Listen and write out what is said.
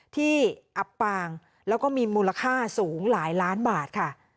อับปางแล้วก็มีมูลค่าสูงหลายล้านบาทค่ะ